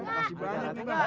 ada saran juga